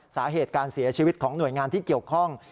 สาเหตุการเสียชีวิตของหน่วยงานที่เกี่ยวข้อง